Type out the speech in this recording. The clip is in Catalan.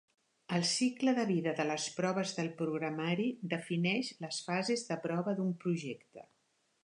El cicle de vida de les proves del programari defineix les fases de prova d'un projecte.